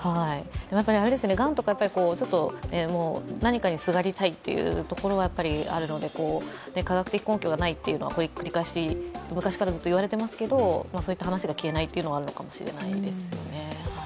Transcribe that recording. がんとか、何かにすがりたいっていうところがあるので科学的根拠がないというのは昔からずっと言われていますけどそういった話が消えないというのがあるのかもしれないですね。